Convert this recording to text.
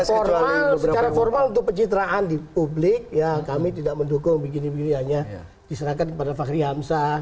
secara formal untuk pencitraan di publik ya kami tidak mendukung begini begini hanya diserahkan kepada fakhri hamsa